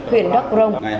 huyện đắk cổ rông